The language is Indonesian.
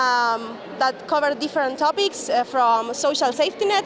yang menutup topik topik yang berbeda dari social safety net